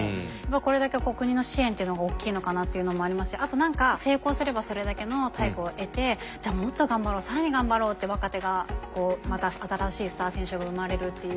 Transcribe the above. これだけ国の支援というのが大きいのかなっていうのもありますしあと何か成功すればそれだけの対価を得てじゃあもっと頑張ろう更に頑張ろうって若手がこうまた新しいスター選手が生まれるっていう。